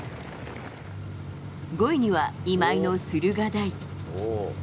５位には今井の駿河台。